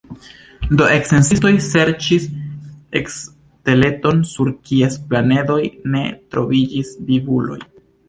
Do sciencistoj serĉis steleton sur kies planedoj ne troviĝis vivuloj.